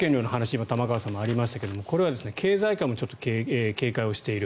今、玉川さんからもありましたがこれは経済界もちょっと警戒をしている。